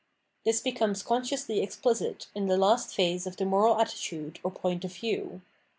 This be comes consciously explicit in the last phase of the moral attitude or point of view.